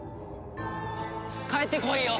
帰ってこいよ！